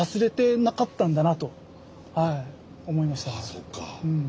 あそっか。